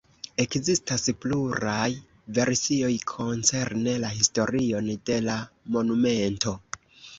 Ekzistas pluraj versioj koncerne la historion de la monumento.